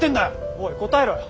おい答えろよ。